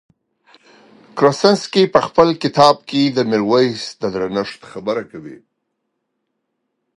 کروسنسکي په خپل کتاب کې د میرویس د درنښت خبره کوي.